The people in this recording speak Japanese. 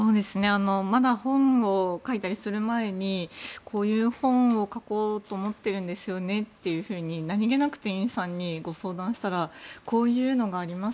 まだ本を書いたりする前にこういう本を書こうと思ってるんですよねっていうふうに何げなく店員さんにご相談したらこういうのがあります